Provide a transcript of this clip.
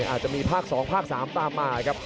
อาจจะมีภาค๒ภาค๓ตามมาครับ